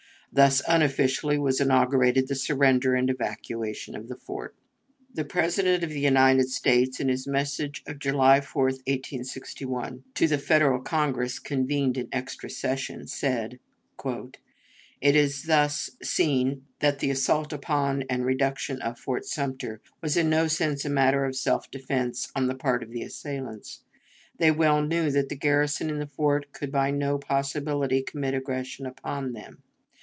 Thus unofficially was inaugurated the surrender and evacuation of the fort. The President of the United States, in his message of July 4, 1861, to the Federal Congress convened in extra session, said: "It is thus seen that the assault upon and reduction of Fort Sumter was in no sense a matter of self defense on the part of the assailants. They well knew that the garrison in the fort could by no possibility commit aggression upon them.